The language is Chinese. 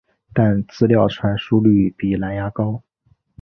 但资料传输率比蓝牙高。